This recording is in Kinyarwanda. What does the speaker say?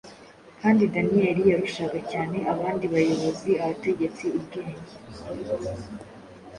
Kandi Daniyeli yarushaga cyane abandi bayobozi abategetsi ubwenge,